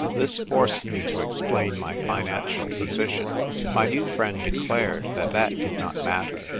This forced me to explain my financial position. My new friend declared that that did not matter.